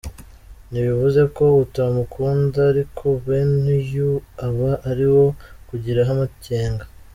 Ntibivuze ko utamukunda, ariko bene uyu aba ari uwo kugiraho amakenga.